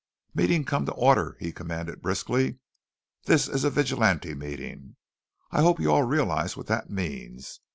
"Meeting come to order," he commanded briskly. "This is a Vigilante meeting. I hope you all realize what that means.